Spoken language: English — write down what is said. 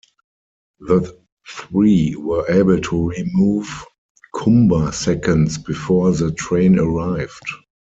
The three were able to remove Cumba seconds before the train arrived.